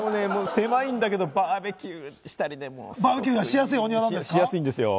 狭いんだけど、バーベキューしたりしやすいんですよ、バーベキュー。